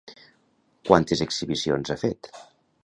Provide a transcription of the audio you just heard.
Quantes exhibicions ha fet?